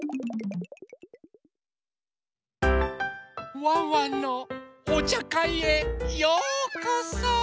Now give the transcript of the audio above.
ワンワンのおちゃかいへようこそ！